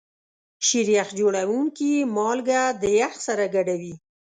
شیریخ جوړونکي مالګه د یخ سره ګډوي.